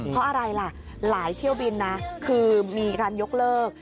เพราะอะไรล่ะหลายเที่ยวบินนะคือมีการยกเลิก